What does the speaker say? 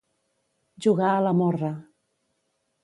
Jugar a la morra.